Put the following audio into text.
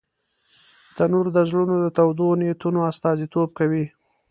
تنور د زړونو د تودو نیتونو استازیتوب کوي